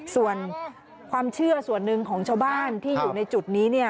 ส่วนความเชื่อส่วนหนึ่งของชาวบ้านที่อยู่ในจุดนี้